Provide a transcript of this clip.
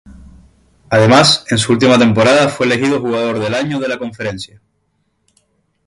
Además, en su última temporada fue elegido Jugador del Año de la conferencia.